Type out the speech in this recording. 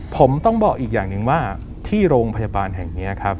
ผมต้องบอกอีกอย่างหนึ่งว่าที่โรงพยาบาลแห่งนี้ครับ